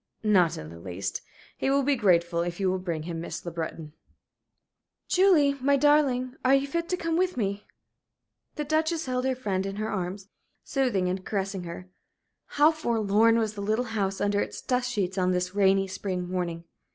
"Not in the least. He will be grateful if you will bring him Miss Le Breton." "Julie, my darling, are you fit to come with me?" The Duchess held her friend in her arms, soothing and caressing her. How forlorn was the little house, under its dust sheets, on this rainy, spring morning!